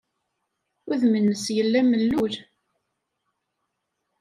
Udem-nnes yella mellul.